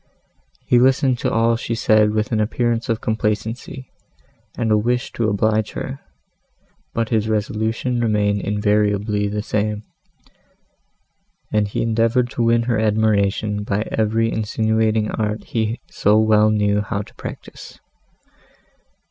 He listened to all she said with an appearance of complacency and of a wish to oblige her; but his resolution remained invariably the same, and he endeavoured to win her admiration by every insinuating art he so well knew how to practise.